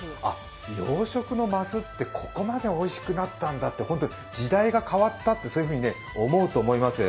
養殖のマスって、ここまでおいしくなったんだって、ホントに時代が変わったというふうに思うと思います。